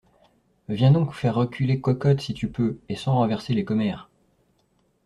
Viens donc faire reculer Cocotte, si tu peux, et sans renverser les commères!